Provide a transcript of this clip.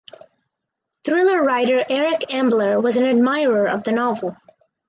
Thriller writer Eric Ambler was an admirer of the novel.